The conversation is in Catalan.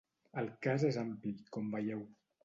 El cas és ampli, com veieu.